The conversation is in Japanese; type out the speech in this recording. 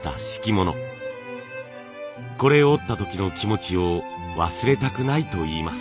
これを織った時の気持ちを忘れたくないといいます。